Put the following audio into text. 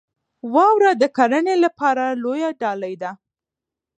واوره د کرنې لپاره لویه ډالۍ ده.